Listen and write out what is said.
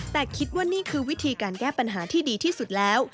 แต่คิดว่านี่คือวิธีการแก้ปัญหาที่ดีที่สุดแล้ว